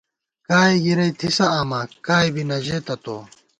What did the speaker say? کائے گِرَئی تھِسہ آما کائے بی نہ ژېتہ تو